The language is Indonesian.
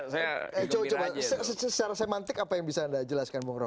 secara semantik apa yang bisa anda jelaskan bung rok